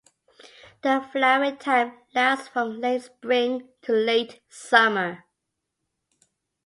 The flowering time lasts from late spring to late summer.